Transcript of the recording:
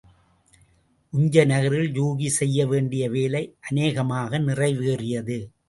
உஞ்சை நகரில் யூகி செய்ய வேண்டிய வேலை அநேகமாக நிறைவேறியது.